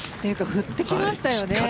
振ってきましたよね。